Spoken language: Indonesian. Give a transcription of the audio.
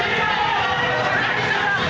jalan jalan men